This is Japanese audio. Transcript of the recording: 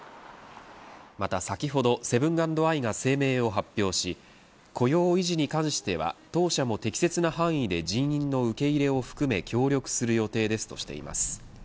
また先ほどセブン＆アイが声明を発表し雇用維持に関しては、当社も適切な範囲で人員の受け入れを含め協力する予定ですとしています。